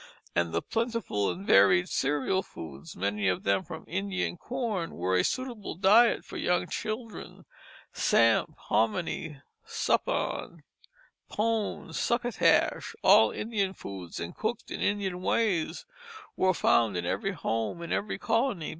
And the plentiful and varied cereal foods, many of them from Indian corn, were a suitable diet for young children. Samp, hominy, suppawn, pone, succotash, all Indian foods and cooked in Indian ways, were found in every home in every colony.